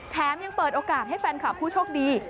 ยังเปิดโอกาสให้แฟนคลับผู้โชคดี